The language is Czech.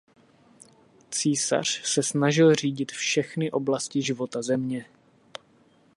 Císař se snažil řídit všechny oblasti života země.